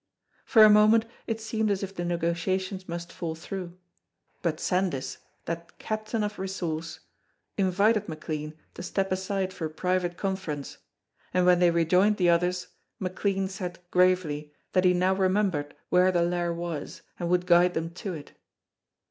For a moment it seemed as if the negotiations must fall through; but Sandys, that captain of resource, invited McLean to step aside for a private conference, and when they rejoined the others McLean said, gravely, that he now remembered where the Lair was and would guide them to it.